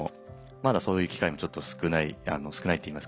まだそういう機会もちょっと少ないっていいますかね